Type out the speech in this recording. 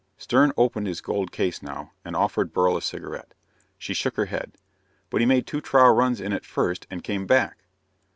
Stern opened his gold case now and offered Beryl a cigarette. She shook her head. "But he made two trial runs in it first and came back."